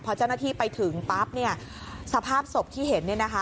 พอเจ้าหน้าที่ไปถึงปั๊บสภาพศพที่เห็น